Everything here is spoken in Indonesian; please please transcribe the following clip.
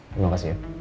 terima kasih ya